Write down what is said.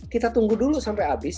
kita tunggu dulu sampai habis